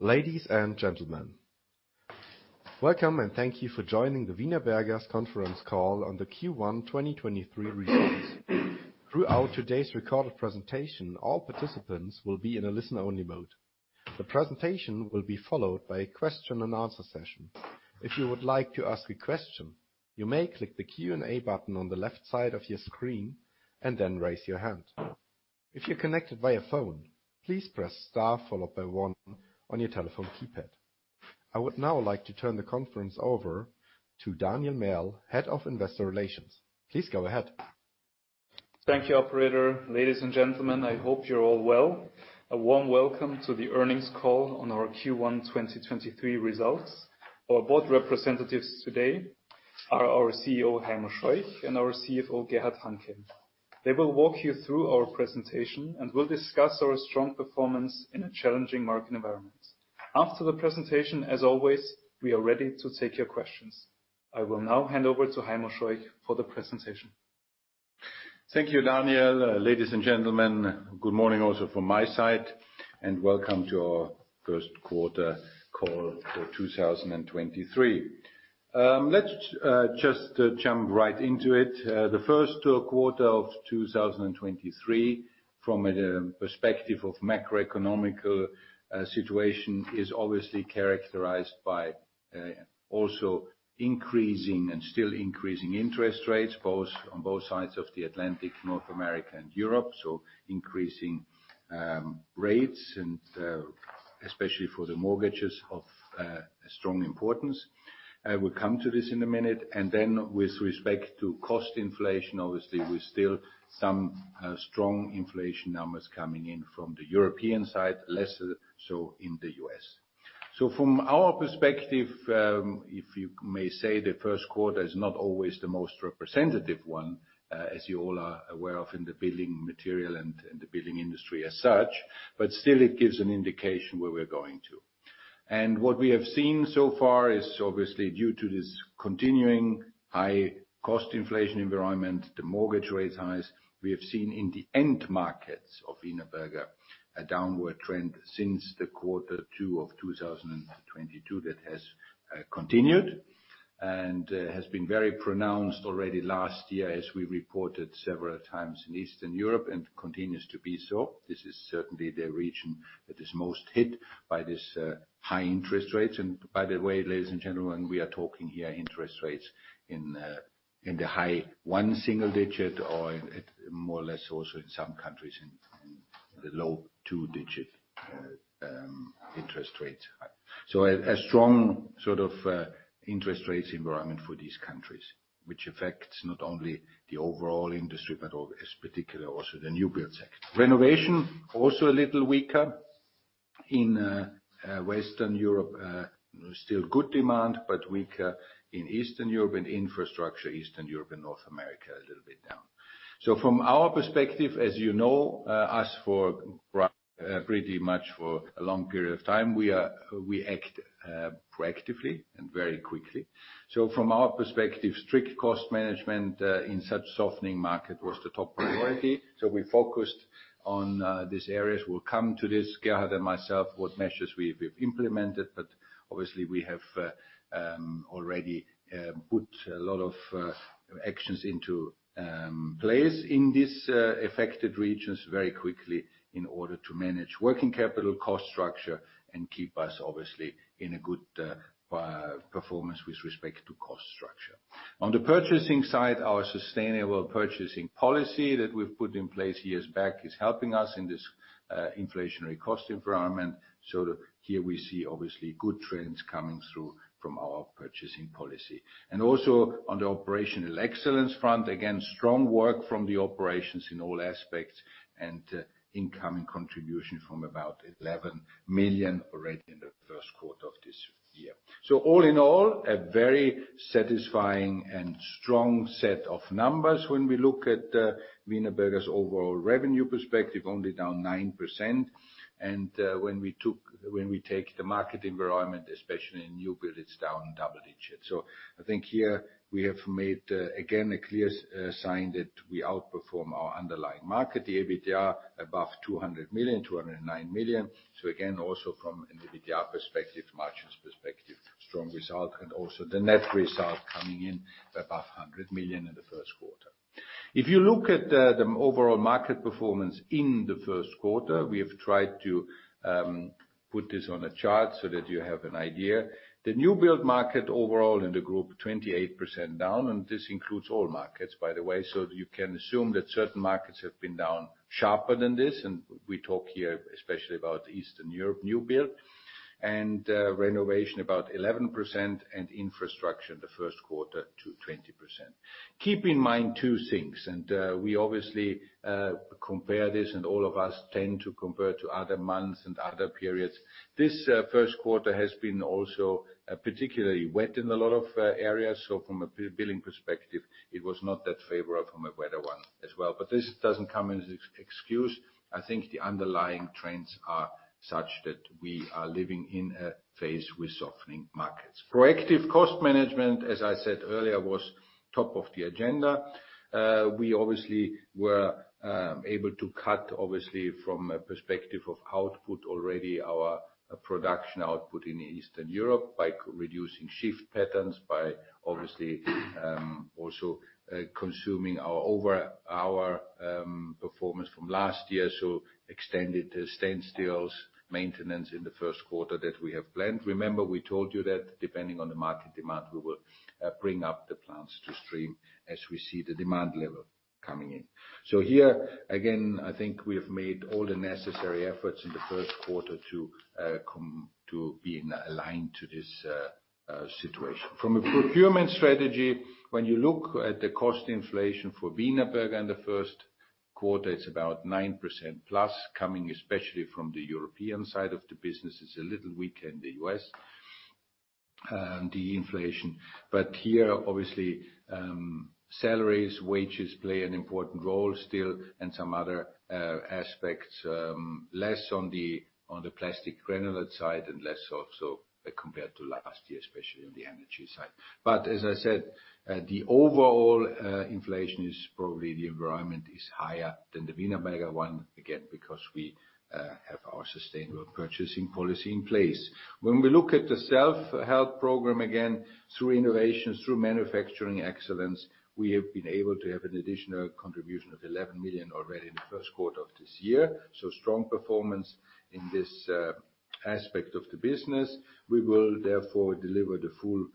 Ladies and gentlemen, welcome and thank you for joining the Wienerberger's Conference Call on the Q1 2023 Results. Throughout today's recorded presentation, all participants will be in a listen-only mode. The presentation will be followed by a Q&A session. If you would like to ask a question, you may click the Q&A button on the left side of your screen and then raise your hand. If you're connected via phone, please press star followed by one on your telephone keypad. I would now like to turn the conference over to Daniel Merl, Head of Investor Relations. Please go ahead. Thank you, operator. Ladies and gentlemen, I hope you're all well. A warm welcome to the earnings call on our Q1 2023 results. Our board representatives today are our CEO, Heimo Scheuch, and our CFO, Gerhard Hanke. They will walk you through our presentation. We'll discuss our strong performance in a challenging market environment. After the presentation, as always, we are ready to take your questions. I will now hand over to Heimo Scheuch for the presentation. Thank you, Daniel. Ladies and gentlemen, good morning also from my side, and welcome to our first quarter call for 2023. Let's just jump right into it. The first quarter of 2023, from a perspective of macro-economical situation, is obviously characterized by also increasing and still increasing interest rates, on both sides of the Atlantic, North America and Europe. Increasing rates and especially for the mortgages of strong importance. We'll come to this in a minute. With respect to cost inflation, obviously, we still some strong inflation numbers coming in from the European side, lesser so in the U.S. From our perspective, if you may say, the first quarter is not always the most representative one, as you all are aware of in the building material and in the building industry as such, but still it gives an indication where we're going to. What we have seen so far is obviously due to this continuing high cost inflation environment, the mortgage rate highs, we have seen in the end markets of Wienerberger a downward trend since Q2 2022 that has continued and has been very pronounced already last year, as we reported several times in Eastern Europe and continues to be so. This is certainly the region that is most hit by this high interest rates. By the way, ladies and gentlemen, we are talking here interest rates in the high one single digit or more or less also in some countries in the low two digit interest rates. A strong sort of interest rates environment for these countries, which affects not only the overall industry, but also particular also the new build sector. Renovation, also a little weaker. In Western Europe, still good demand, but weaker in Eastern Europe and infrastructure, Eastern Europe and North America, a little bit down. From our perspective, as you know, us for pretty much for a long period of time, we act proactively and very quickly. From our perspective, strict cost management in such softening market was the top priority. We focused on these areas. We'll come to this, Gerhard and myself, what measures we've implemented, but obviously we have already put a lot of actions into place in these affected regions very quickly in order to manage working capital cost structure and keep us obviously in a good performance with respect to cost structure. On the purchasing side, our sustainable purchasing policy that we've put in place years back is helping us in this inflationary cost environment. Here we see obviously good trends coming through from our purchasing policy. Also on the operational excellence front, again, strong work from the operations in all aspects and incoming contribution from about 11 million already in the first quarter of this year. All in all, a very satisfying and strong set of numbers when we look at Wienerberger's overall revenue perspective, only down 9%. When we take the market environment, especially in new build, it's down double digit. I think here we have made again a clear sign that we outperform our underlying market, the EBITDA above 200 million, 209 million. Again, also from an EBITDA perspective, margins perspective, strong result, and also the net result coming in above 100 million in the first quarter. If you look at the overall market performance in the first quarter, we have tried to put this on a chart so that you have an idea. The new build market overall in the group, 28% down, and this includes all markets, by the way. You can assume that certain markets have been down sharper than this. We talk here especially about Eastern Europe new build. Renovation about 11%, and infrastructure in the first quarter to 20%. Keep in mind two things. We obviously compare this, and all of us tend to compare to other months and other periods. This first quarter has been also particularly wet in a lot of areas. From a building perspective, it was not that favorable from a weather one as well. This doesn't come as excuse. I think the underlying trends are such that we are living in a phase with softening markets. Proactive cost management, as I said earlier, was top of the agenda. we obviously were able to cut obviously from a perspective of output already our production output in Eastern Europe by reducing shift patterns, by obviously, also consuming our over hour performance from last year, so extended standstills, maintenance in the first quarter that we have planned. Remember, we told you that depending on the market demand, we will bring up the plans to stream as we see the demand level coming in. Here, again, I think we have made all the necessary efforts in the first quarter to be in, aligned to this situation. From a procurement strategy, when you look at the cost inflation for Wienerberger in the first quarter, it's about 9%+ coming especially from the European side of the business. It's a little weaker in the U.S., the inflation. Here, obviously, salaries, wages play an important role still, and some other aspects, less on the plastic granular side and less also compared to last year, especially on the energy side. As I said, the overall inflation is probably the environment is higher than the Wienerberger one, again, because we have our sustainable purchasing policy in place. When we look at the self-help program, again, through innovations, through manufacturing excellence, we have been able to have an additional contribution of 11 million already in the first quarter of this year. Strong performance in this aspect of the business. We will therefore deliver the full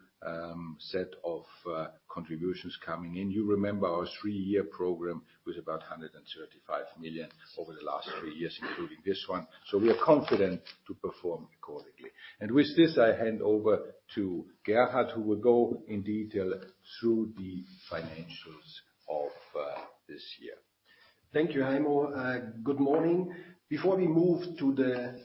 set of contributions coming in. You remember our three-year program with about 135 million over the last three years, including this one. We are confident to perform accordingly. With this, I hand over to Gerhard, who will go in detail through the financials of this year. Thank you, Heimo. good morning. Before we move to the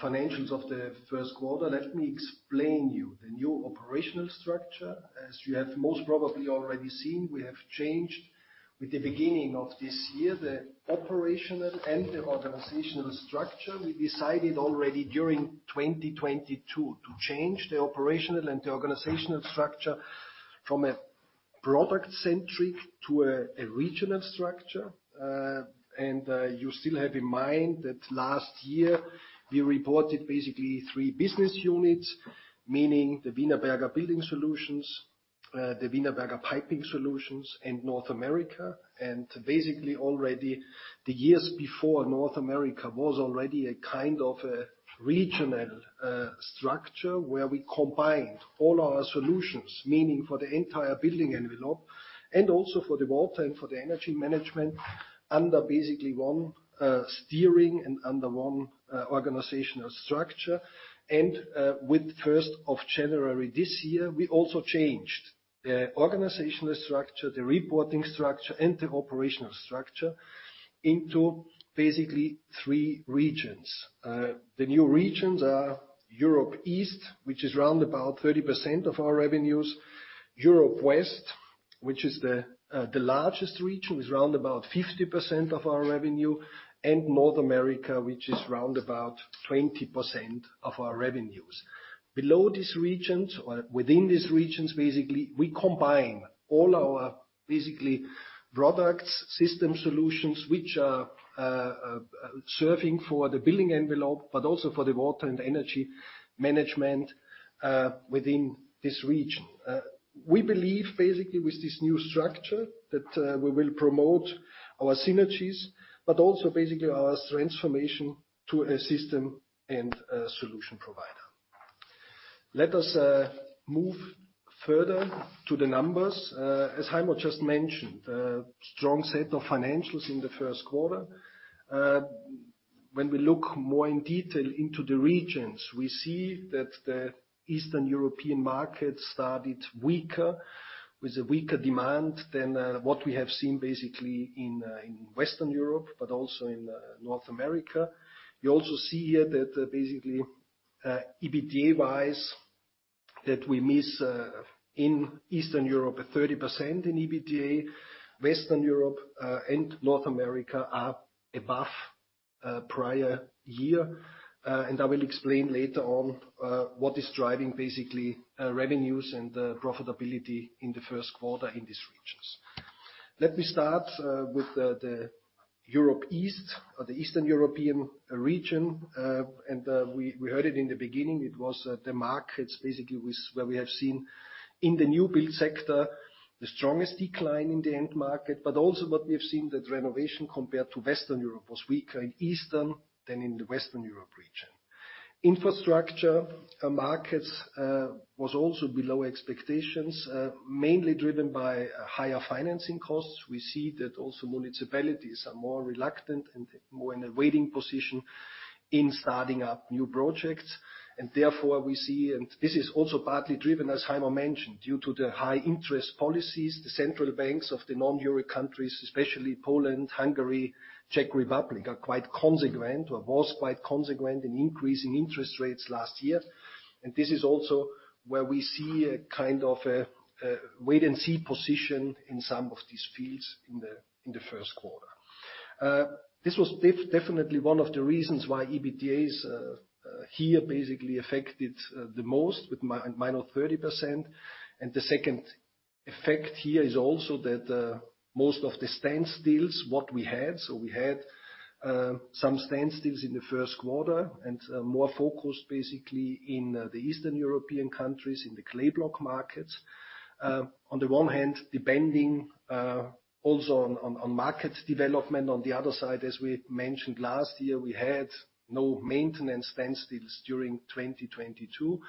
financials of the first quarter, let me explain you the new operational structure. As you have most probably already seen, we have changed with the beginning of this year, the operational and the organizational structure. We decided already during 2022 to change the operational and the organizational structure from a product-centric to a regional structure. You still have in mind that last year we reported basically three business units, meaning the Wienerberger Building Solutions, the Wienerberger Piping Solutions, and North America. Basically already the years before North America was already a kind of a regional structure where we combined all our solutions, meaning for the entire building envelope and also for the water and for the energy management under basically one steering and under one organizational structure. With 1st of January this year, we also changed the organizational structure, the reporting structure, and the operational structure into basically three regions. The new regions are Europe East, which is round about 30% of our revenues. Europe West, which is the largest region, is round about 50% of our revenue. North America, which is round about 20% of our revenues. Below these regions or within these regions, basically, we combine all our basically products, system solutions, which are serving for the building envelope, but also for the water and energy management within this region. We believe basically with this new structure that we will promote our synergies, but also basically our transformation to a system and a solution provider. Let us move further to the numbers. As Heimo just mentioned, a strong set of financials in the first quarter. When we look more in detail into the regions, we see that the Eastern European market started weaker, with a weaker demand than what we have seen in Western Europe, but also in North America. You also see here that EBITDA-wise, that we miss in Eastern Europe, a 30% in EBITDA. Western Europe and North America are above prior year. And I will explain later on what is driving revenues and profitability in the first quarter in these regions. Let me start with the Europe East or the Eastern European region. We heard it in the beginning, it was the markets basically was where we have seen in the new build sector, the strongest decline in the end market. Also what we have seen that renovation compared to Western Europe was weaker in Eastern than in the Western Europe region. Infrastructure markets was also below expectations, mainly driven by higher financing costs. We see that also municipalities are more reluctant and more in a waiting position in starting up new projects. Therefore, we see, and this is also partly driven, as Heimo mentioned, due to the high interest policies. The central banks of the non-Euro countries, especially Poland, Hungary, Czech Republic, are quite consequent or was quite consequent in increasing interest rates last year. This is also where we see a kind of a wait and see position in some of these fields in the first quarter. This was definitely one of the reasons why EBITDA is here basically affected the most with minus 30%. The second effect here is also that most of the standstill what we had. We had some standstills in the first quarter and more focused basically in the Eastern European countries, in the clay block markets. On the one hand, depending also on market development. On the other side, as we mentioned last year, we had no maintenance standstills during 2022.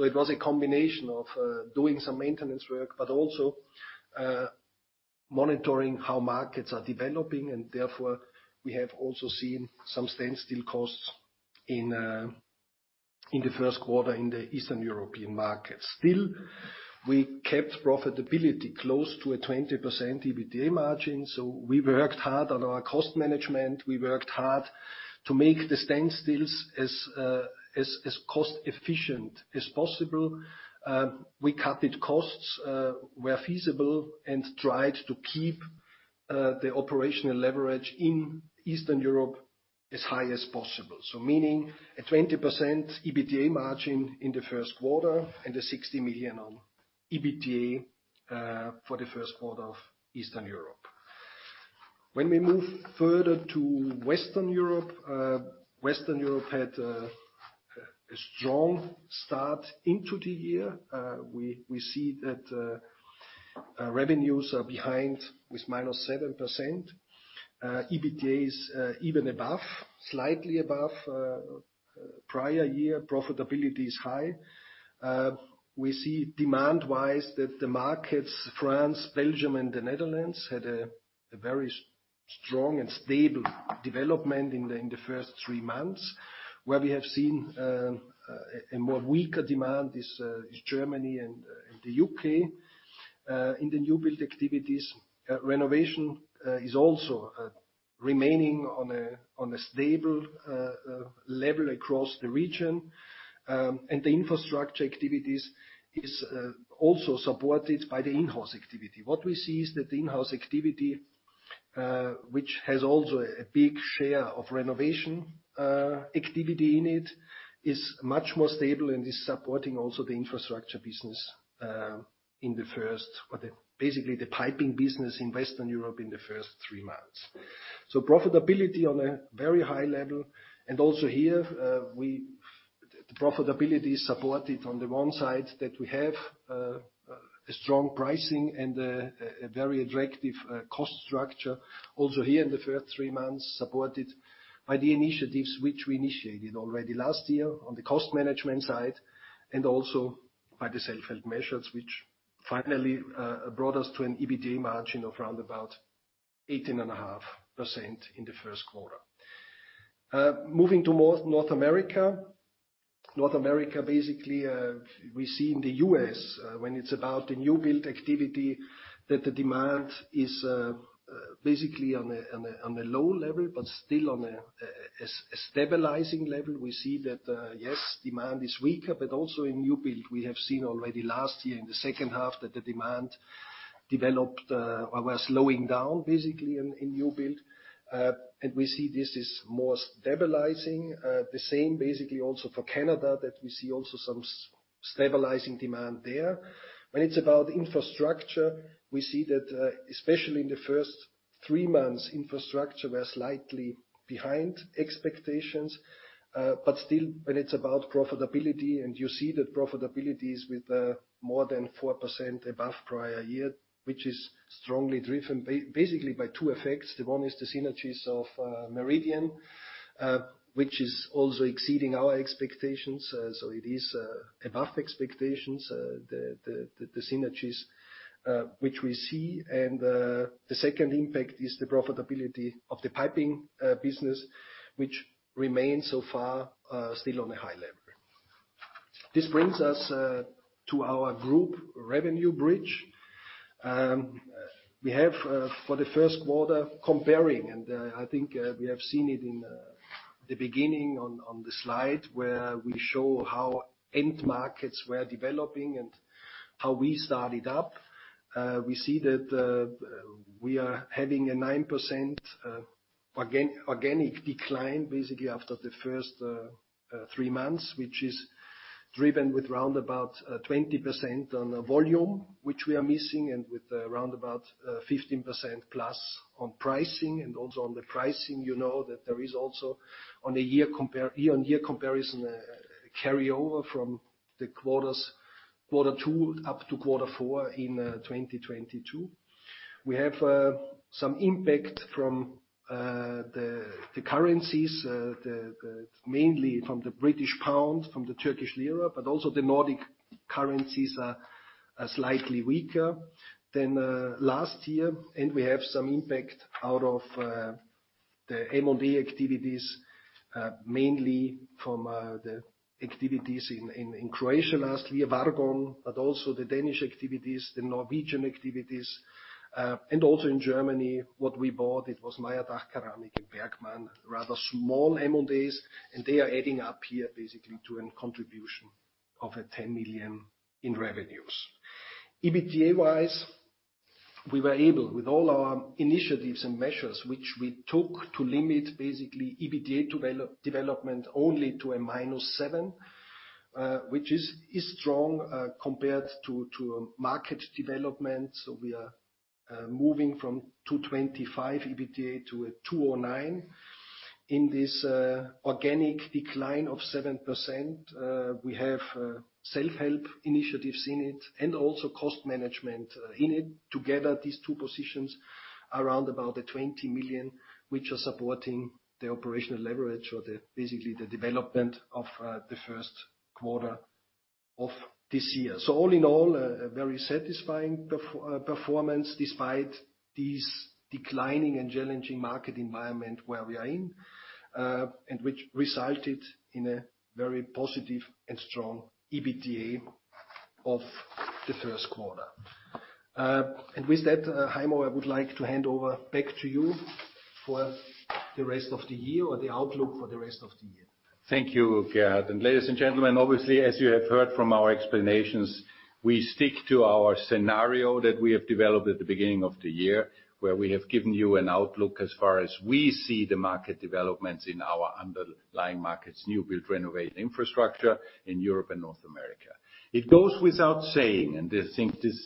It was a combination of doing some maintenance work, but also Monitoring how markets are developing, and therefore we have also seen some standstill costs in the first quarter in the Eastern European markets. Still, we kept profitability close to a 20% EBITDA margin. We worked hard on our cost management. We worked hard to make the standstills as cost efficient as possible. We cut the costs where feasible and tried to keep the operational leverage in Eastern Europe as high as possible. Meaning a 20% EBITDA margin in the first quarter and a 60 million on EBITDA for the first quarter of Eastern Europe. When we move further to Western Europe, Western Europe had a strong start into the year. We see that revenues are behind with -7%. EBITDA even above, slightly above, prior year profitability is high. We see demand-wise that the markets, France, Belgium and the Netherlands, had a very strong and stable development in the first three months. Where we have seen a more weaker demand is Germany and the UK. In the new build activities, renovation, is also remaining on a stable level across the region, and the infrastructure activities is also supported by the in-house activity. What we see is that the in-house activity, which has also a big share of renovation, activity in it, is much more stable and is supporting also the infrastructure business, basically the piping business in Western Europe in the first three months. Profitability on a very high level. Also here, The profitability is supported on the one side that we have a strong pricing and a very attractive cost structure. Also here in the first three months, supported by the initiatives which we initiated already last year on the cost management side, and also by the self-help measures, which finally brought us to an EBITDA margin of round about 18.5% in the first quarter. Moving to North America. North America, basically, we see in the U.S., when it's about the new build activity, that the demand is basically on a low level, but still on a stabilizing level. We see that, yes, demand is weaker, but also in new build, we have seen already last year in the second half that the demand developed or were slowing down basically in new build. We see this is more stabilizing. The same basically also for Canada, that we see also some stabilizing demand there. When it's about infrastructure, we see that, especially in the first three months, infrastructure were slightly behind expectations. Still, when it's about profitability, and you see that profitability is with more than 4% above prior year, which is strongly driven basically by two effects. The one is the synergies of Meridian, which is also exceeding our expectations. It is above expectations, the synergies which we see. The second impact is the profitability of the piping business, which remains so far still on a high level. This brings us to our group revenue bridge. We have for the first quarter comparing, I think we have seen it in the beginning on the slide where we show how end markets were developing and how we started up. We see that we are having a 9% organic decline, basically after the first three months, which is driven with round about 20% on volume, which we are missing, with round about 15% plus on pricing. Also on the pricing, you know that there is also on a year-on-year comparison, carryover from the quarters, quarter two up to quarter four in 2022. We have some impact from the currencies, mainly from the British pound, from the Turkish lira, but also the Nordic currencies are slightly weaker than last year. We have some impact out of the M&A activities, mainly from the activities in Croatia last year, Vargon, but also the Danish activities, the Norwegian activities, and also in Germany. What we bought, it was Mayr Dachkeramik and Bergmann, rather small M&As, and they are adding up here basically to a contribution of 10 million in revenues. EBITDA-wise, we were able, with all our initiatives and measures which we took to limit basically EBITDA development only to -7%, which is strong compared to a market development. We are moving from 225 EBITDA to 209. In this organic decline of 7%, we have self-help initiatives in it and also cost management in it. Together, these two positions around about 20 million, which are supporting the operational leverage or basically the development of the first quarter. Of this year. All in all, a very satisfying performance despite these declining and challenging market environment where we are in. Which resulted in a very positive and strong EBITDA of the first quarter. With that, Heimo, I would like to hand over back to you for the rest of the year, or the outlook for the rest of the year. Thank you, Gerhard. Ladies and gentlemen, obviously, as you have heard from our explanations, we stick to our scenario that we have developed at the beginning of the year, where we have given you an outlook as far as we see the market developments in our underlying markets, new build, renovate, infrastructure in Europe and North America. It goes without saying, and I think this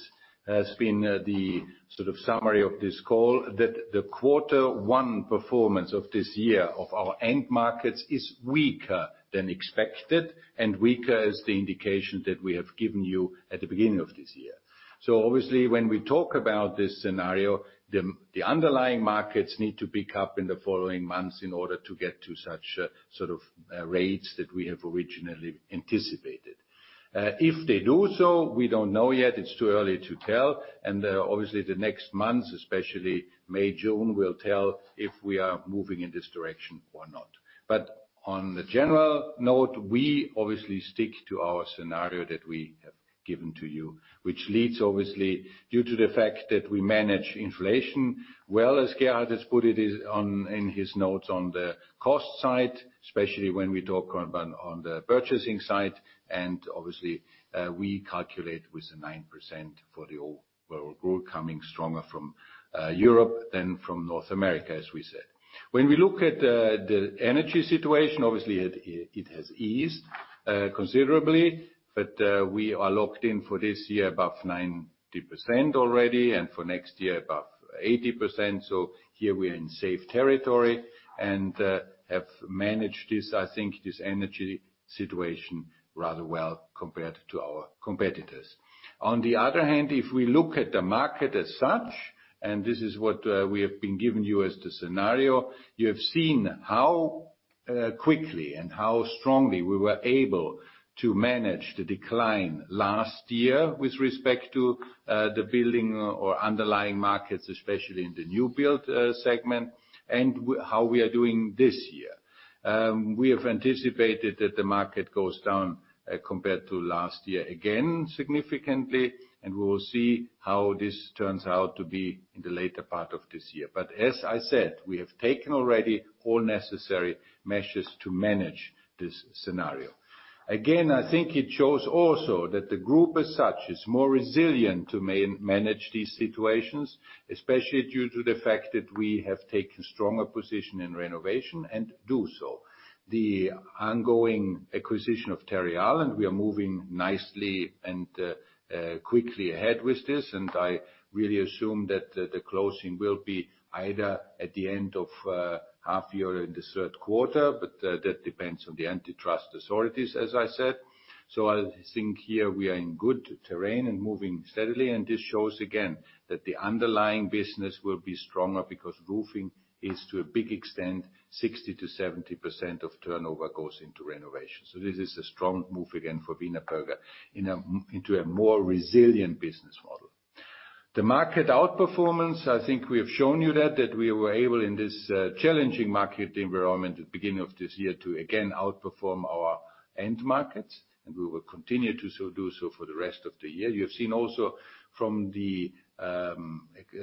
has been the sort of summary of this call, that the quarter one performance of this year of our end markets is weaker than expected, and weaker as the indication that we have given you at the beginning of this year. Obviously, when we talk about this scenario, the underlying markets need to pick up in the following months in order to get to such sort of rates that we have originally anticipated. If they do so, we don't know yet, it's too early to tell. Obviously, the next months, especially May, June, will tell if we are moving in this direction or not. On the general note, we obviously stick to our scenario that we have given to you, which leads obviously due to the fact that we manage inflation well, as Gerhard has put it in his notes on the cost side, especially when we talk on the purchasing side, and obviously, we calculate with the 9% for the overall group coming stronger from Europe than from North America, as we said. When we look at the energy situation, obviously it has eased considerably, but we are locked in for this year above 90% already, and for next year above 80%. Here we are in safe territory, and have managed this, I think, this energy situation rather well compared to our competitors. On the other hand, if we look at the market as such, and this is what we have been giving you as the scenario, you have seen how quickly and how strongly we were able to manage the decline last year with respect to the building or underlying markets, especially in the new build segment, and how we are doing this year. We have anticipated that the market goes down compared to last year, again, significantly, and we will see how this turns out to be in the later part of this year. As I said, we have taken already all necessary measures to manage this scenario. I think it shows also that the group as such is more resilient to man-manage these situations, especially due to the fact that we have taken stronger position in renovation and do so. The ongoing acquisition of Terreal, and we are moving nicely and quickly ahead with this, and I really assume that the closing will be either at the end of half year in the third quarter, but that depends on the antitrust authorities, as I said. I'll think here we are in good terrain and moving steadily, and this shows again that the underlying business will be stronger because roofing is, to a big extent, 60%-70% of turnover goes into renovation. This is a strong move again for Wienerberger into a more resilient business model. The market out-performance, I think we have shown you that we were able in this challenging market environment at the beginning of this year to again outperform our end markets, and we will continue to do so for the rest of the year. You have seen also from the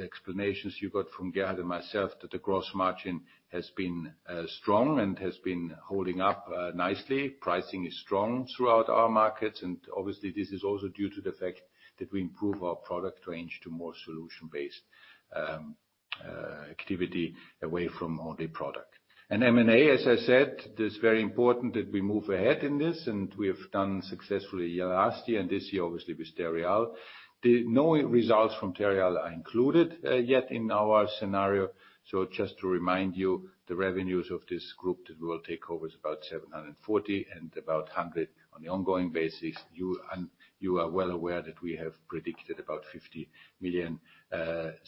explanations you got from Gerhard and myself that the gross margin has been strong and has been holding up nicely. Pricing is strong throughout our markets, and obviously this is also due to the fact that we improve our product range to more solution-based activity away from only product. M&A, as I said, it is very important that we move ahead in this, and we have done successfully last year and this year obviously with Terreal. No results from Terreal are included yet in our scenario. Just to remind you, the revenues of this group that we will take over is about 740, and about 100 on the ongoing basis. You are well aware that we have predicted about 50 million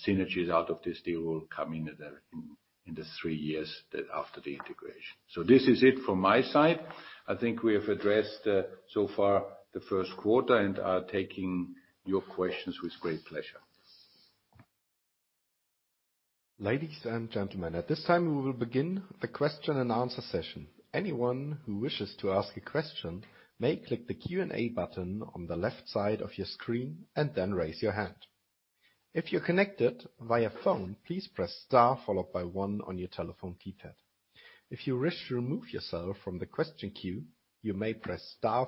synergies out of this deal will come in the three years after the integration. This is it from my side. I think we have addressed so far the first quarter and are taking your questions with great pleasure. Ladies and gentlemen, at this time we will begin the Q&A session. Anyone who wishes to ask a question may click the Q&A button on the left side of your screen and then raise your hand. If you're connected via phone, please press star one on your telephone keypad. If you wish to remove yourself from the question queue, you may press star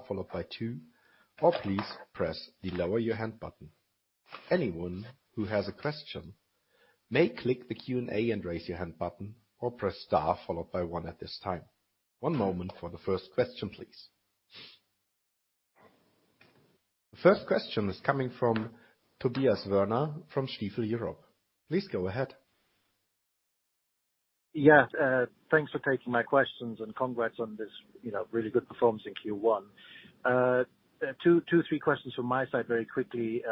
two, or please press the lower your hand button. Anyone who has a question may click the Q&A and raise your hand button or press star one at this time. One moment for the first question, please. The first question is coming from Tobias Werner from Stifel Europe. Please go ahead. Yes, thanks for taking my questions and congrats on this, you know, really good performance in Q1. Three questions from my side very quickly.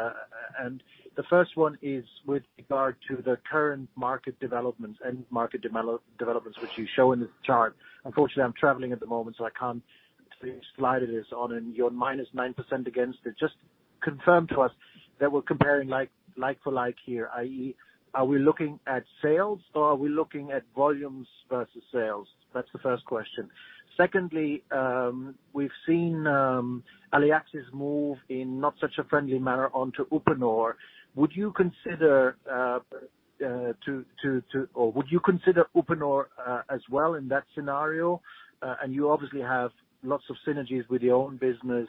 The first one is with regard to the current market developments, end market developments which you show in the chart. Unfortunately, I'm traveling at the moment, so I can't see which slide it is on, and you're -9% against it. Just confirm to us that we're comparing like for like here, i.e., are we looking at sales or are we looking at volumes versus sales? That's the first question. Secondly, we've seen Aliaxis move in not such a friendly manner onto Uponor. Would you consider Uponor as well in that scenario? You obviously have lots of synergies with your own business,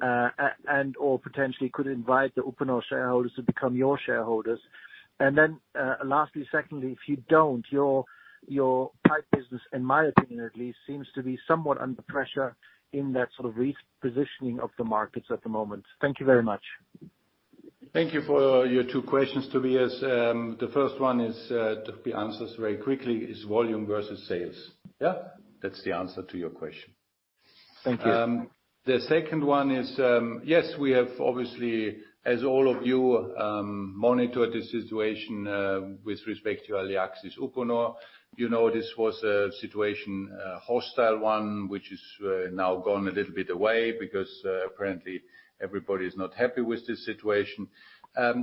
and/or potentially could invite the Uponor shareholders to become your shareholders. Lastly, secondly, if you don't, your pipe business, in my opinion at least, seems to be somewhat under pressure in that sort of repositioning of the markets at the moment. Thank you very much. Thank you for your two questions, Tobias. The first one is to be answered very quickly, is volume versus sales. That's the answer to your question. Thank you. The second one is, yes, we have obviously, as all of you, monitored the situation with respect to Aliaxis Uponor. You know, this was a situation, a hostile one, which has now gone a little bit away because apparently everybody is not happy with this situation.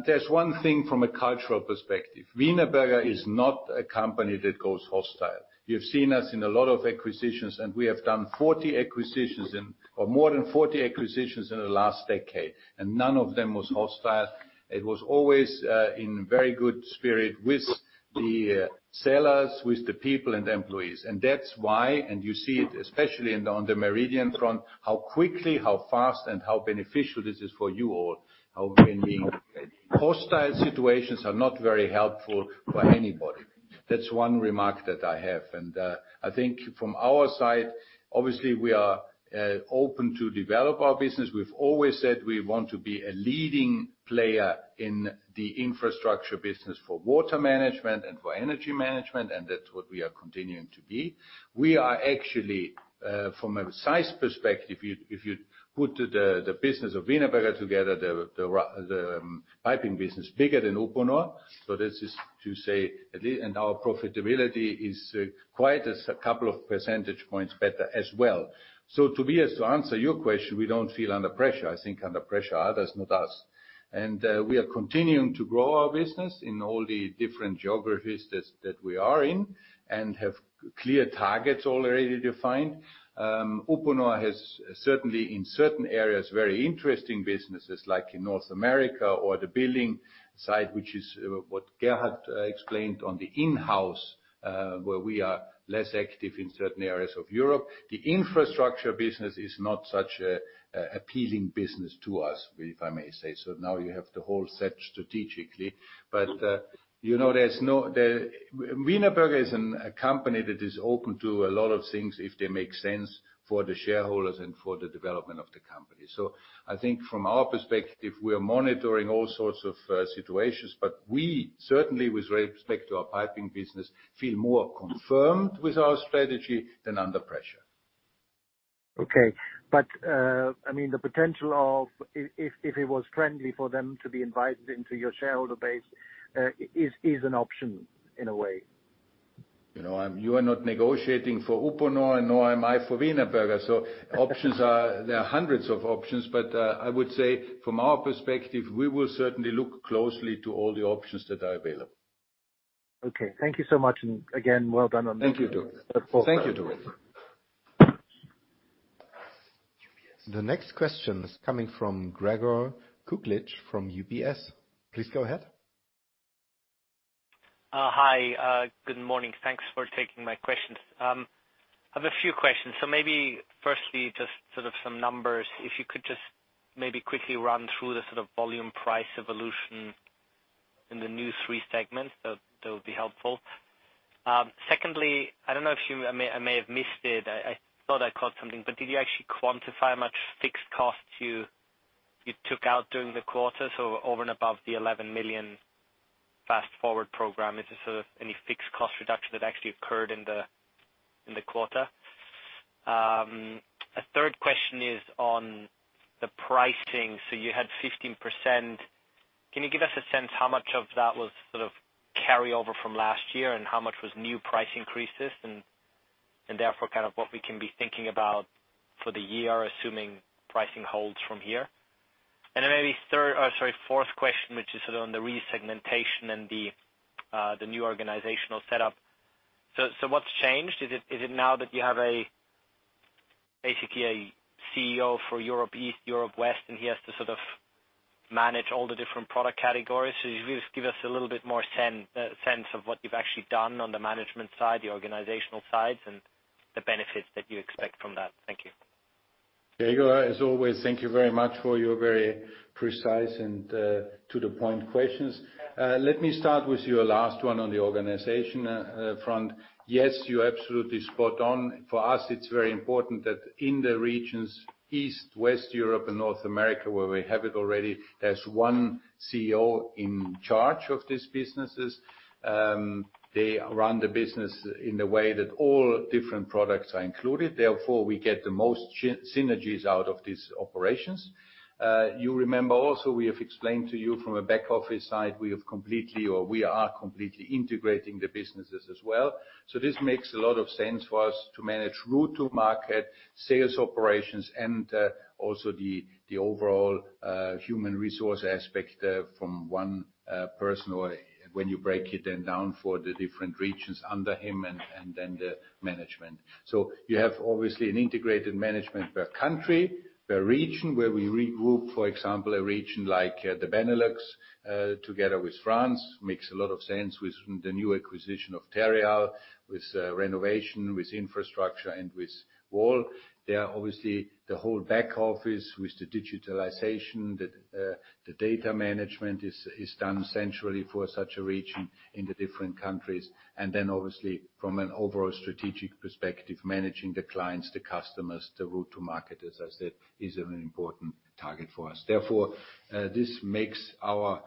There's one thing from a cultural perspective. Wienerberger is not a company that goes hostile. You've seen us in a lot of acquisitions, and we have done 40 acquisitions or more than 40 acquisitions in the last decade, and none of them was hostile. It was always in very good spirit with the sellers, with the people and employees. That's why, and you see it especially on the Meridian front, how quickly, how fast, and how beneficial this is for you all. Hostile situations are not very helpful for anybody. That's one remark that I have. I think from our side, obviously we are open to develop our business. We've always said we want to be a leading player in the infrastructure business for water management and for energy management, that's what we are continuing to be. We are actually, from a size perspective, if you put the business of Wienerberger together, the piping business bigger than Uponor. This is to say at least. Our profitability is quite as a couple of percentage points better as well. Tobias, to answer your question, we don't feel under pressure. I think under pressure others, not us. we are continuing to grow our business in all the different geographies that we are in and have clear targets already defined. Uponor has certainly in certain areas, very interesting businesses like in North America or the building side, which is what Gerhard explained on the in-house, where we are less active in certain areas of Europe. The infrastructure business is not such an appealing business to us, if I may say so. You have the whole set strategically. You know, Wienerberger is a company that is open to a lot of things if they make sense for the shareholders and for the development of the company. I think from our perspective, we are monitoring all sorts of situations, but we certainly, with respect to our piping business, feel more confirmed with our strategy than under pressure. Okay. I mean, the potential of if it was friendly for them to be invited into your shareholder base, is an option in a way. You know, you are not negotiating for Uponor, nor am I for Wienerberger. There are hundreds of options. I would say from our perspective, we will certainly look closely to all the options that are available. Okay. Thank you so much. Again, well done on. Thank you, Tobias. The full-fare. Thank you, Tobias. The next question is coming from Gregor Kuglitsch from UBS. Please go ahead. Hi. Good morning. Thanks for taking my questions. I have a few questions. Maybe firstly, just sort of some numbers. If you could just maybe quickly run through the sort of volume price evolution in the new three segments, that would be helpful. Secondly, I don't know if I may have missed it. I thought I caught something. Did you actually quantify much fixed costs you took out during the quarter? Over and above the 11 million Fast Forward program, is there sort of any fixed cost reduction that actually occurred in the, in the quarter? A third question is on the pricing. You had 15%. Can you give us a sense how much of that was sort of carryover from last year and how much was new price increases and therefore kind of what we can be thinking about for the year, assuming pricing holds from here? Maybe fourth question, which is sort of on the re-segmentation and the new organizational setup. What's changed? Is it now that you have a basically a CEO for Europe East, Europe West, and he has to sort of manage all the different product categories? Just give us a little bit more sense of what you've actually done on the management side, the organizational sides, and the benefits that you expect from that. Thank you. Gregor, as always, thank you very much for your very precise and to the point questions. Let me start with your last one on the organization front. Yes, you're absolutely spot on. For us, it's very important that in the regions East, West Europe and North America, where we have it already, there's one CEO in charge of these businesses. They run the business in a way that all different products are included. We get the most synergies out of these operations. You remember also we have explained to you from a back office side, we have completely or we are completely integrating the businesses as well. This makes a lot of sense for us to manage route to market sales operations and also the overall human resource aspect from one person or when you break it then down for the different regions under him and then the management. You have obviously an integrated management per country, per region, where we regroup, for example, a region like the Benelux together with France. Makes a lot of sense with the new acquisition of Terreal, with renovation, with infrastructure and with wall. There are obviously the whole back office with the digitalization. The data management is done centrally for such a region in the different countries. Then obviously from an overall strategic perspective, managing the clients, the customers, the route to market, as I said, is an important target for us. Therefore, this makes our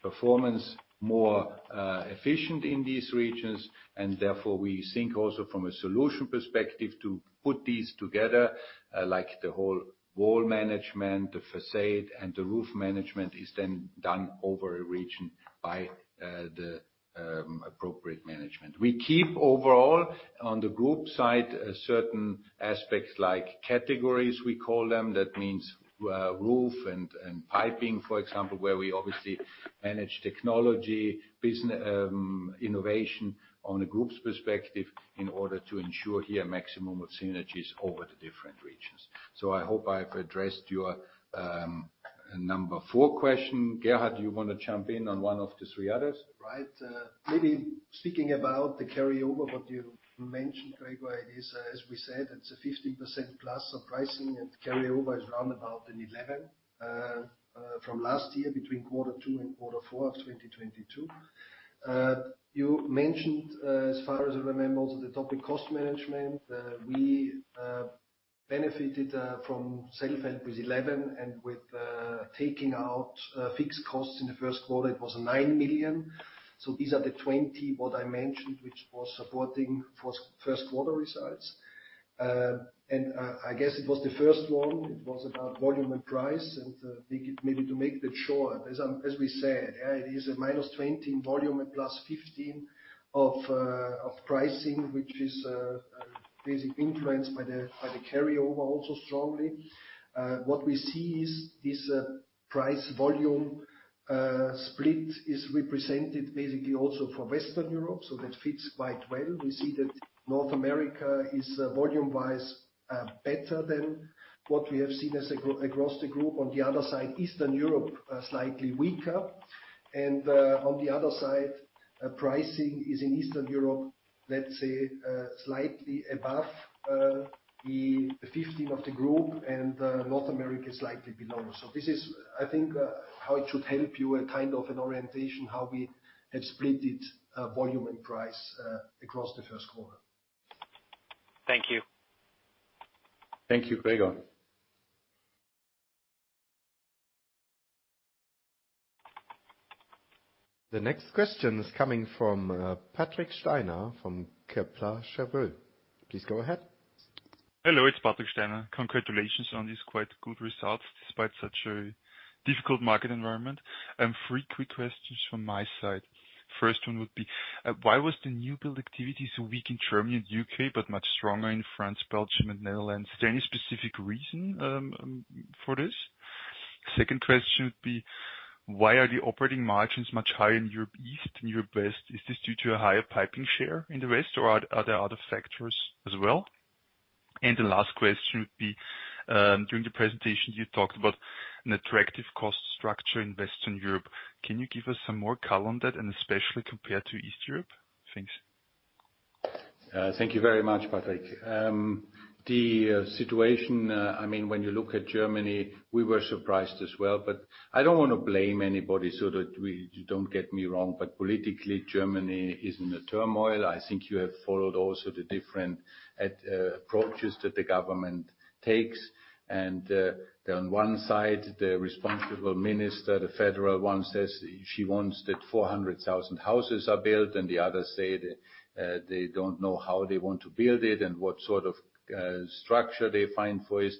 performance more efficient in these regions, and therefore we think also from a solution perspective to put these together, like the whole wall management, the facade and the roof management is then done over a region by the appropriate management. We keep overall on the group side certain aspects like categories we call them. That means, roof and piping, for example, where we obviously manage technology, innovation on a group's perspective in order to ensure here maximum of synergies over the different regions. I hope I've addressed your four question. Gerhard, do you wanna jump in on one of the three others? Right. Maybe speaking about the carryover, what you mentioned, Gregor, it is as we said, it's a 15% plus of pricing, and carryover is around about 11 from last year between Q2 and Q4 of 2022. You mentioned, as far as I remember, also the topic cost management. We benefited from self-help with 11 and with taking out fixed costs in the first quarter, it was 9 million. These are the 20 what I mentioned, which was supporting for first quarter results. I guess it was the first one. It was about volume and price. Maybe to make that short, as we said, yeah, it is a -20% volume and +15% of pricing, which is basically influenced by the carryover also strongly. What we see is this price volume split is represented basically also for Western Europe, so that fits quite well. We see that North America is volume-wise better than what we have seen across the group. On the other side, Eastern Europe are slightly weaker. On the other side, pricing is in Eastern Europe, let's say, slightly above the 15% of the group and North America slightly below. This is, I think, how it should help you a kind of an orientation, how we have split it, volume and price across Q1. Thank you. Thank you, Gregor. The next question is coming from Patrick Steiner from Kepler Cheuvreux. Please go ahead. Hello, it's Patrick Steiner. Congratulations on these quite good results despite such a difficult market environment. Three quick questions from my side. First one would be, why was the new build activity so weak in Germany and UK but much stronger in France, Belgium and Netherlands? Is there any specific reason for this? Second question would be, why are the operating margins much higher in Europe East than Europe West? Is this due to a higher piping share in the West, or are there other factors as well? The last question would be, during the presentation you talked about an attractive cost structure in Western Europe. Can you give us some more color on that, and especially compared to East Europe? Thanks. Thank you very much, Patrick. The situation, I mean, when you look at Germany, we were surprised as well, but I don't want to blame anybody so that you don't get me wrong, but politically, Germany is in a turmoil. I think you have followed also the different approaches that the government takes. On one side, the responsible minister, the federal one, says she wants that 400,000 houses are built and the others say they don't know how they want to build it and what sort of structure they find for it.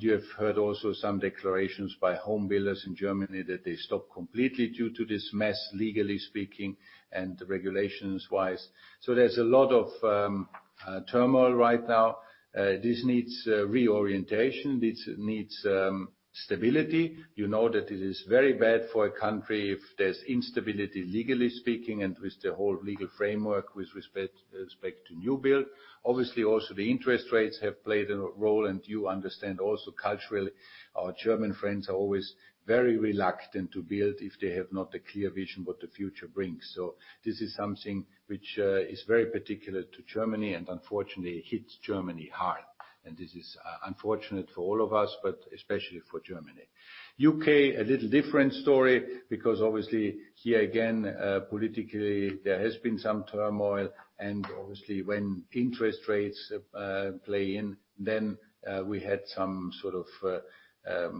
You have heard also some declarations by home builders in Germany that they stop completely due to this mess, legally speaking, and regulations-wise. There's a lot of turmoil right now. This needs reorientation. This needs stability. You know that it is very bad for a country if there's instability, legally speaking, and with the whole legal framework with respect to new build. Obviously, also the interest rates have played a role, and you understand also culturally, our German friends are always very reluctant to build if they have not a clear vision what the future brings. This is something which is very particular to Germany and unfortunately hits Germany hard. This is unfortunate for all of us, but especially for Germany. UK, a little different story because obviously here again, politically there has been some turmoil, and obviously when interest rates play in, then we had some sort of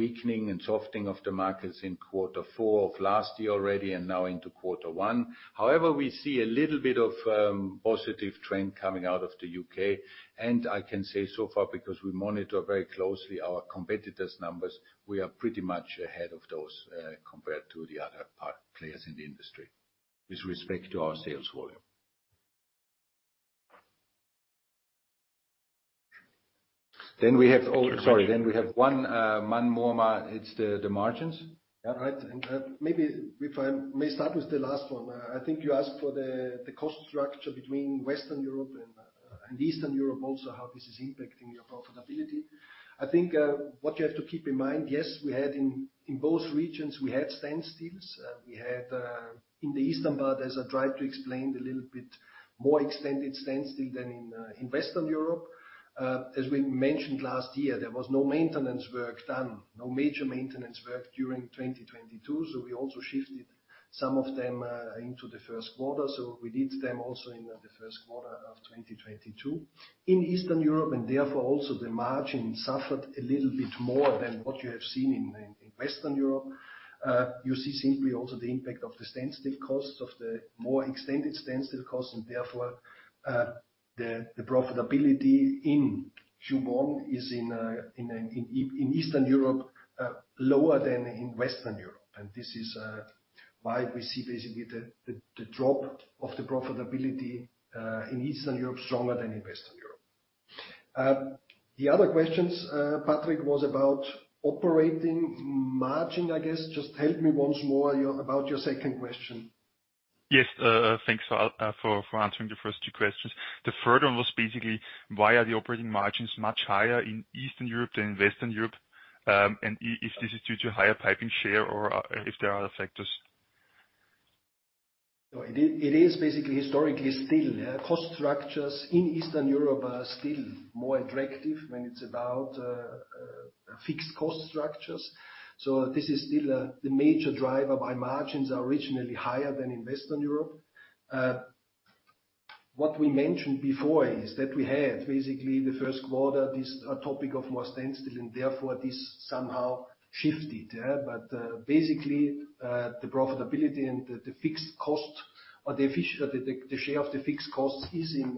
weakening and softening of the markets in quarter four of last year already and now into quarter one. We see a little bit of positive trend coming out of the UK. I can say so far because we monitor very closely our competitors' numbers. We are pretty much ahead of those compared to the other players in the industry with respect to our sales volume. Oh, sorry. We have one more, Mar. It's the margins. Yeah. Right. Maybe if I may start with the last one. I think you asked for the cost structure between Western Europe and Eastern Europe also, how this is impacting your profitability. I think what you have to keep in mind, yes, we had in both regions, we had standstills. We had in the Eastern part, as I tried to explain, a little bit more extended standstill than in Western Europe. As we mentioned last year, there was no maintenance work done, no major maintenance work during 2022, so we also shifted some of them into the first quarter, so we did them also in the first quarter of 2022. In Eastern Europe, therefore also the margin suffered a little bit more than what you have seen in Western Europe. You see simply also the impact of the standstill costs, of the more extended standstill costs, and therefore, the profitability in Q1 is in Eastern Europe lower than in Western Europe. This is why we see basically the drop of the profitability in Eastern Europe stronger than in Western Europe. The other questions, Patrick, was about operating margin, I guess. Just help me once more about your second question. Yes, thanks for answering the first two questions. The third one was basically why are the operating margins much higher in Eastern Europe than in Western Europe, if this is due to higher piping share or if there are other factors. No, it is basically historically still cost structures in Eastern Europe are still more attractive when it's about fixed cost structures. This is still the major driver why margins are originally higher than in Western Europe. What we mentioned before is that we had basically the first quarter, this topic of more standstill, and therefore this somehow shifted. Yeah. Basically, the profitability and the fixed cost or the share of the fixed costs is in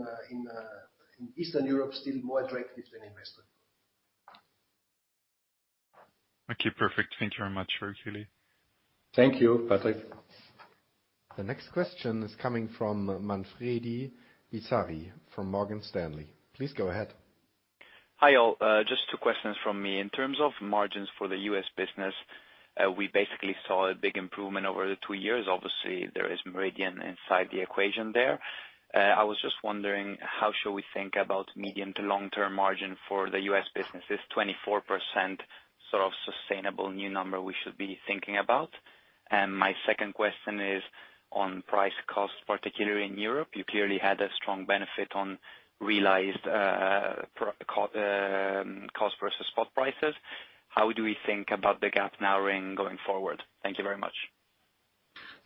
Eastern Europe still more attractive than in Western. Okay. Perfect. Thank you very much, Scheuch. Thank you, Patrick. The next question is coming from Manfredi Bizzarri from Morgan Stanley. Please go ahead. Hi, all. Just two questions from me. In terms of margins for the U.S. business, we basically saw a big improvement over the two years. Obviously, there is Meridian inside the equation there. I was just wondering how should we think about medium to long-term margin for the U.S. business. Is 24% sort of sustainable new number we should be thinking about? My second question is on price cost, particularly in Europe. You clearly had a strong benefit on realized cost versus spot prices. How do we think about the gap narrowing going forward? Thank you very much.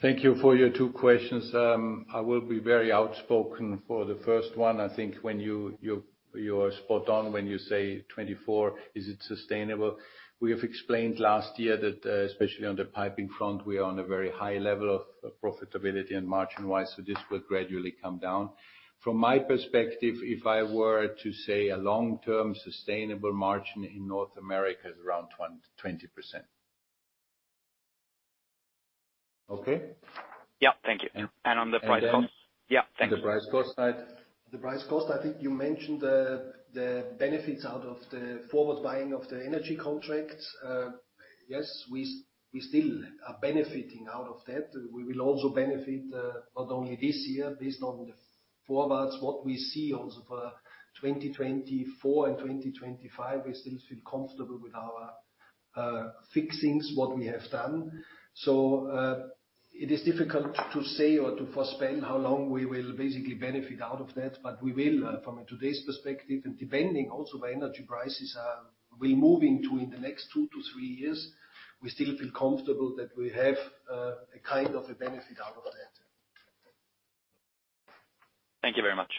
Thank you for your two questions. I will be very outspoken for the first one. I think when you are spot on when you say 2024, is it sustainable? We have explained last year that especially on the piping front, we are on a very high level of profitability and margin-wise. This will gradually come down. From my perspective, if I were to say a long-term sustainable margin in North America is around 20%. Okay? Yeah. Thank you. Yeah. On the price cost? And then- Yeah. Thank you. The price cost side. The price cost, I think you mentioned the benefits out of the forward buying of the energy contracts. Yes, we still are benefiting out of that. We will also benefit, not only this year based on the forwards, what we see also for 2024 and 2025, we still feel comfortable with our fixings, what we have done. It is difficult to say or to forespend how long we will basically benefit out of that, but we will, from today's perspective, and depending also by energy prices, will be moving to in the next two to three years. We still feel comfortable that we have a kind of a benefit out of that. Thank you very much.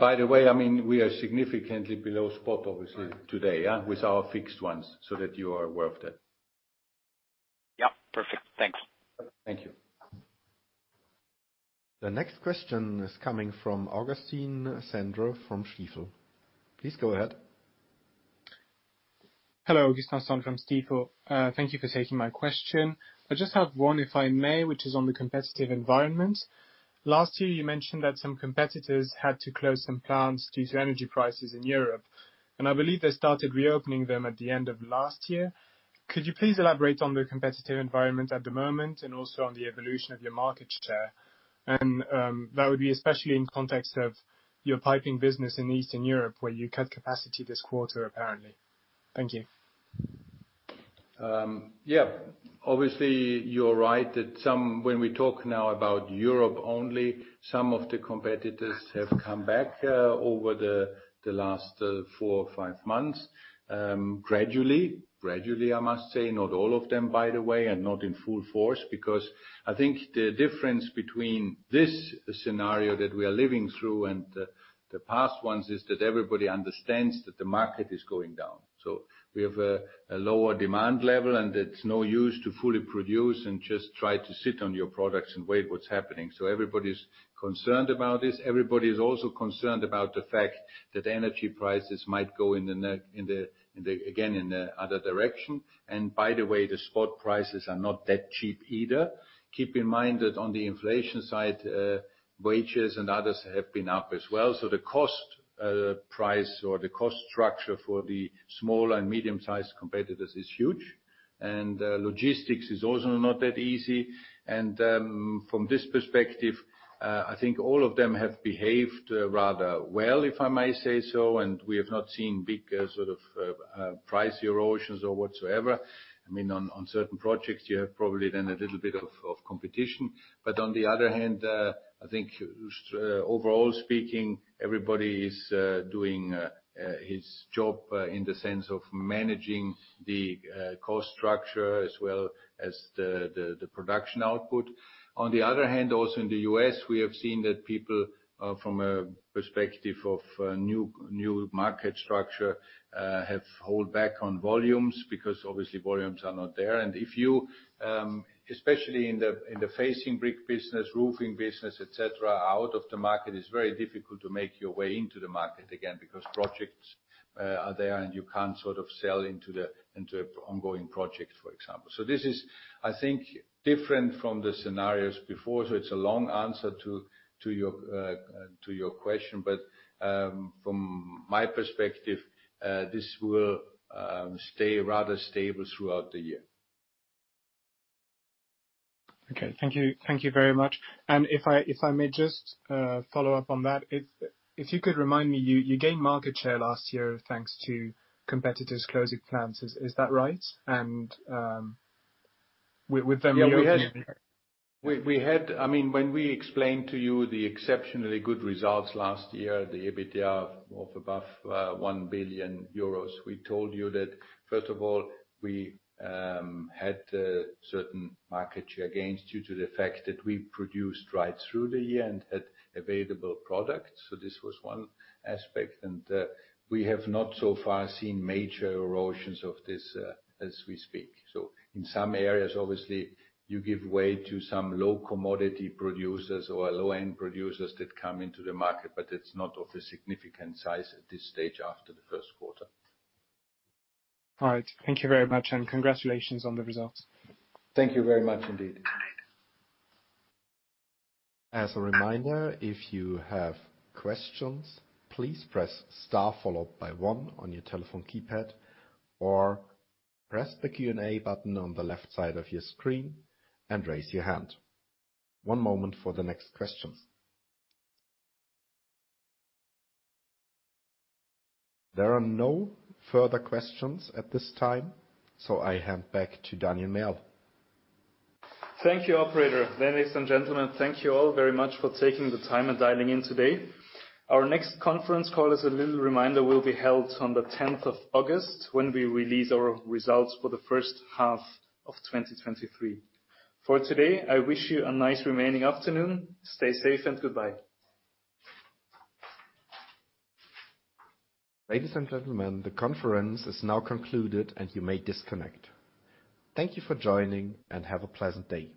By the way, I mean, we are significantly below spot obviously today, yeah, with our fixed ones, so that you are aware of that. Yeah. Perfect. Thanks. Thank you. The next question is coming from Yassine Touahri from Stifel. Please go ahead. Hello. Yassine Touahri from Stifel. Thank you for taking my question. I just have one, if I may, which is on the competitive environment. Last year, you mentioned that some competitors had to close some plants due to energy prices in Europe, and I believe they started reopening them at the end of last year. Could you please elaborate on the competitive environment at the moment and also on the evolution of your market share? That would be especially in context of your piping business in Eastern Europe, where you cut capacity this quarter, apparently. Thank you. Yeah, obviously you're right that some. When we talk now about Europe only, some of the competitors have come back over the last four or five months, gradually. I must say. Not all of them, by the way, and not in full force because I think the difference between this scenario that we are living through and the past ones is that everybody understands that the market is going down. We have a lower demand level, and it's no use to fully produce and just try to sit on your products and wait what's happening. Everybody's concerned about this. Everybody is also concerned about the fact that energy prices might go in the, in the again, in the other direction. By the way, the spot prices are not that cheap either. Keep in mind that on the inflation side, wages and others have been up as well, so the cost price or the cost structure for the small and medium-sized competitors is huge. Logistics is also not that easy. From this perspective, I think all of them have behaved rather well, if I may say so, and we have not seen big sort of price erosions or whatsoever. I mean, on certain projects you have probably then a little bit of competition. On the other hand, I think overall speaking, everybody is doing his job in the sense of managing the cost structure as well as the production output. Also in the U.S., we have seen that people, from a perspective of new market structure, have hold back on volumes because obviously volumes are not there. If you, especially in the facing brick business, roofing business, et cetera, out of the market, it's very difficult to make your way into the market again because projects are there and you can't sort of sell into ongoing projects, for example. This is, I think, different from the scenarios before. It's a long answer to your question, but from my perspective, this will stay rather stable throughout the year. Okay. Thank you. Thank you very much. If I may just follow up on that. If you could remind me, you gained market share last year thanks to competitors closing plants. Is that right? We've been- Yeah. We had, when we explained to you the exceptionally good results last year, the EBITDA of above 1 billion euros, we told you that, first of all, we had certain market share gains due to the fact that we produced right through the year and had available products. This was one aspect. We have not so far seen major erosions of this as we speak. In some areas, obviously you give way to some low commodity producers or low-end producers that come into the market, but it's not of a significant size at this stage after the first quarter. All right. Thank you very much, and congratulations on the results. Thank you very much indeed. As a reminder, if you have questions, please press star followed by one on your telephone keypad, or press the Q&A button on the left side of your screen and raise your hand. One moment for the next questions. There are no further questions at this time. I hand back to Daniel Merl. Thank you, operator. Ladies and gentlemen, thank you all very much for taking the time and dialing in today. Our next conference call, as a little reminder, will be held on the 10th of August when we release our results for the first half of 2023. For today, I wish you a nice remaining afternoon. Stay safe and goodbye. Ladies and gentlemen, the conference is now concluded and you may disconnect. Thank you for joining and have a pleasant day.